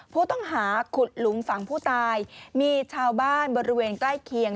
ผู้ต้องหาขุดหลุมฝั่งผู้ตายมีชาวบ้านบริเวณใกล้เคียง